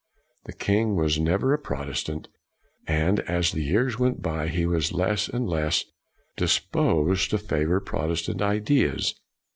The king was never a Protestant, and as the years went by he was less and less disposed to favor Protestant ideas.